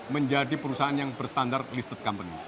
menjadi perusahaan yang berstandar listed company